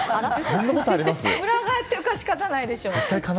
裏返ってるから仕方ないでしょ。